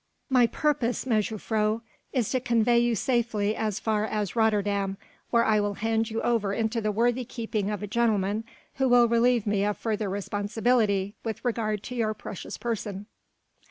"My purpose, mejuffrouw, is to convey you safely as far as Rotterdam, where I will hand you over into the worthy keeping of a gentleman who will relieve me of further responsibility with regard to your precious person."